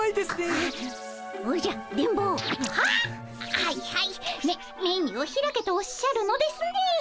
はいはいメメニューを開けとおっしゃるのですね。